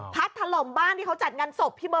ถล่มบ้านที่เขาจัดงานศพพี่เบิร์